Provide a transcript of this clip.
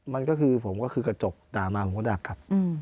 มันก็คือผมก็คือกระจกด่ามาผมก็ดักครับ